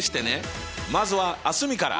まずは蒼澄から。